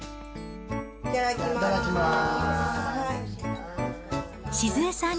いただきます。